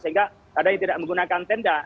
sehingga ada yang tidak menggunakan tenda